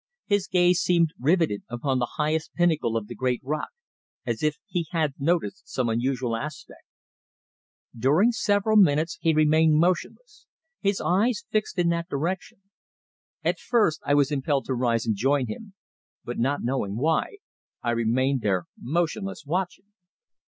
His gaze seemed rivetted upon the highest pinnacle of the great rock, as if he had noticed some unusual aspect. During several minutes he remained motionless, his eyes fixed in that direction. At first I was impelled to rise and join him, but not knowing why, I remained there motionless watching.